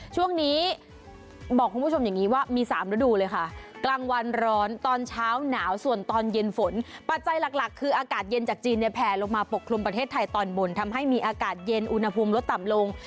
ช่วงนี้บอกคุณผู้ชมอย่างนี้ว่ามี๓ฤดูเลยค่ะกลางวันร้อนตอนเช้าหนาวส่วนตอนเย็นฝนปัจจัยหลักคืออากาศเย็นจากจีนเนี่ยแผลลงมาปกคลุมประเทศไทยตอนบนทำให้มีอากาศเย็นอุณหภูมิลดต่ำลง